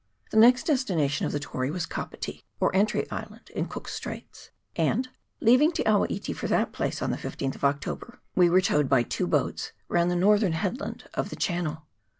The next destination of the Tory was Kapiti, or Entry Island, in Cook's Straits, and, leaving Te awa iti for that place on the 15th of October, we were towed by two boats round the northern headland of the channel.